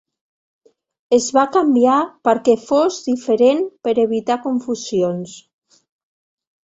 Es va canviar perquè fos diferent per evitar confusions.